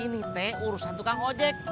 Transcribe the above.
ini teh urusan tukang ojek